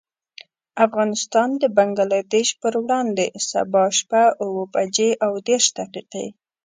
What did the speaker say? افغانستان د بنګلدېش پر وړاندې، سبا شپه اوه بجې او دېرش دقيقې.